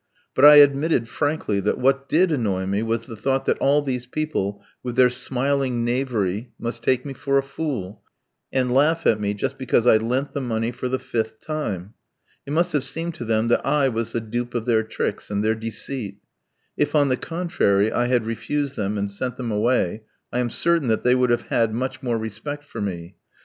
But I admitted frankly that what did annoy me was the thought that all these people, with their smiling knavery, must take me for a fool, and laugh at me just because I lent the money for the fifth time. It must have seemed to them that I was the dupe of their tricks and their deceit. If, on the contrary, I had refused them and sent them away, I am certain that they would have had much more respect for me.